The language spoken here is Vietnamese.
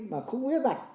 mà không biết mặt